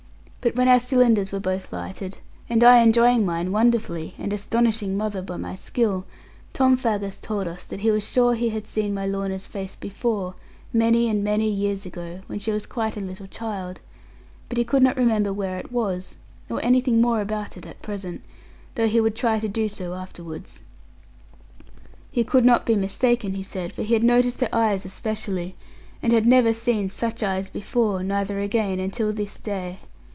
But when our cylinders were both lighted, and I enjoying mine wonderfully, and astonishing mother by my skill, Tom Faggus told us that he was sure he had seen my Lorna's face before, many and many years ago, when she was quite a little child, but he could not remember where it was, or anything more about it at present; though he would try to do so afterwards. He could not be mistaken, he said, for he had noticed her eyes especially; and had never seen such eyes before, neither again, until this day.